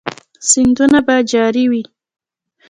سیندونه به جاری وي؟